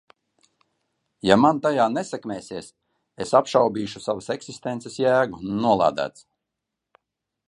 Ja man tajā nesekmēsies, es apšaubīšu savas eksistences jēgu, nolādēts!